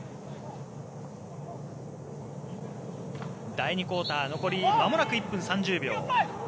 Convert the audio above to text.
第２クオーター残りまもなく１分３０秒。